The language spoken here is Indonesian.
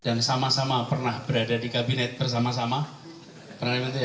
dan sama sama pernah berada di kabinet bersama sama